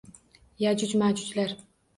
Yajuj-majujlar